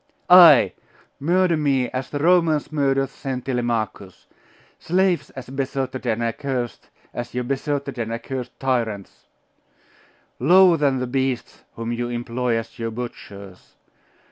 'Ay! murder me as the Romans murdered Saint Telemachus! Slaves as besotted and accursed as your besotted and accursed tyrants! Lower than the beasts whom you employ as your butchers!